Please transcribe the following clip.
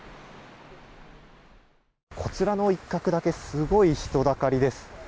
こちらの一角だけすごい人だかりです。